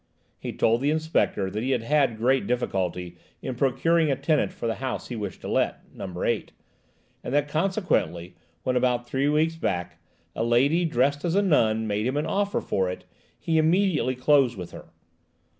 He told the Inspector that he had had great difficulty in procuring a tenant for the house he wished to let, number 8, and that consequently when, about three weeks back, a lady, dressed as a nun, made him an offer for it, he immediately closed with her.